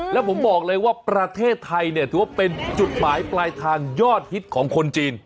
แล้วผมบอกเลยว่าประเทศไทยเนี่ยถือว่าเป็นจุดหมายปลายทางยอดฮิตของคนจีน